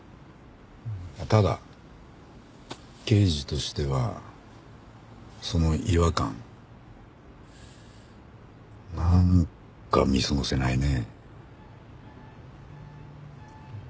ただ刑事としてはその違和感なんか見過ごせないね。